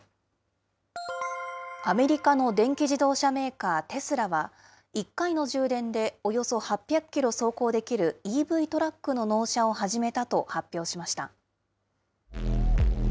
アメリカの電気自動車メーカー、テスラは、１回の充電でおよそ８００キロ走行できるＥＶトラックの納車を始めたと発表しました。